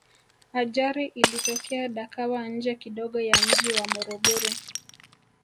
ajari ilitokea dakawa nje kidogo ya mji wa morogoro